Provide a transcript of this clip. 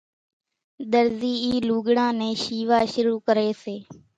ۮرزي اِي لوڳڙان نين شيووا شروع ڪري سي